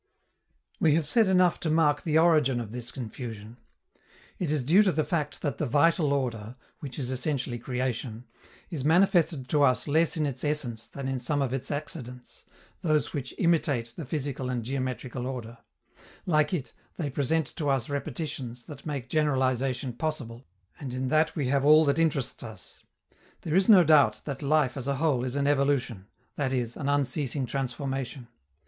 We have said enough to mark the origin of this confusion. It is due to the fact that the "vital" order, which is essentially creation, is manifested to us less in its essence than in some of its accidents, those which imitate the physical and geometrical order; like it, they present to us repetitions that make generalization possible, and in that we have all that interests us. There is no doubt that life as a whole is an evolution, that is, an unceasing transformation.